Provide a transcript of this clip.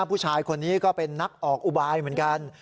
ผู้ชายคนนี้ก็เป็นนักออกอุบายเหมือนกัน